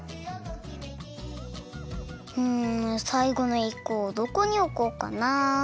うんさいごのいっこをどこにおこうかなあ？